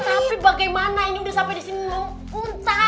tapi bagaimana ini udah sampai disini lu muntah